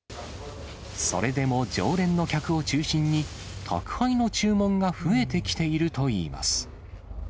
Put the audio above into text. それでも常連の客を中心に、宅配の注文が増えてきているといいます。